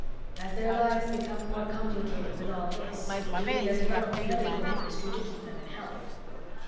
As their lives become more complicated with all this, we need a developed medical industry to keep them in health."